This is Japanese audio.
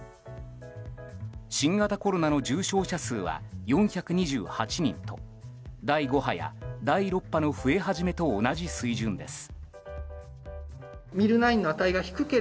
新型コロナの重症者数は４２８人と第５波や第６波の増え始めと同じ水準です。